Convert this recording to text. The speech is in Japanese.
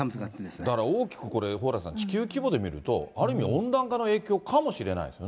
だから大きくこれ、蓬莱さん、地球規模で見ると、ある意味温暖化の影響かもしれないですよね。